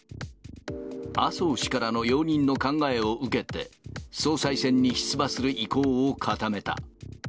麻生氏からの容認の考えを受けて、総裁選に出馬する意向を固めた。